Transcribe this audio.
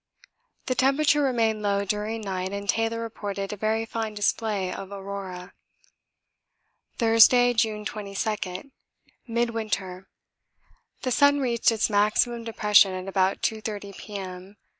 The temperature remained low during night and Taylor reported a very fine display of Aurora. Thursday, June 22. MIDWINTER. The sun reached its maximum depression at about 2.30 P.M.